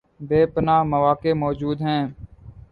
بے پناہ مواقع موجود ہیں